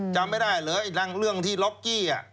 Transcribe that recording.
จำไม่ได้เหรอไอ้เรื่องที่ล็อกกี้